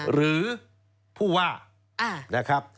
หรือผู้ว่า